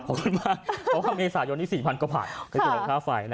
ขอบคุณมากเพราะว่าเมษายนที่๔๐๐๐ก็ผ่าน